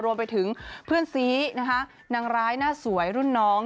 รวมไปถึงเพื่อนซีนะคะนางร้ายหน้าสวยรุ่นน้อง